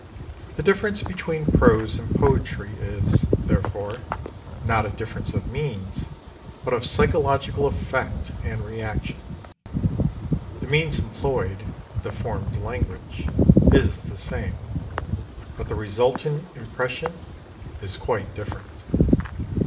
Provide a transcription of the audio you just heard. The difference between prose and poetry is, therefore, not a difference of means, but of psychological effect and reaction. The means employed, the formed language, is the same: but the resultant impression is quite different.